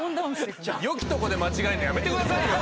よきとこで間違えるのやめてくださいよ！